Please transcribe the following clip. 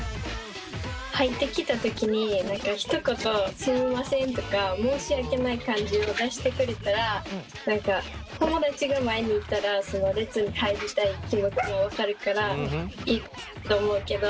入ってきたときに何かひと言「すみません」とか申し訳ない感じを出してくれたら何か友だちが前にいたらその列に入りたい気持ちも分かるからいいと思うけど。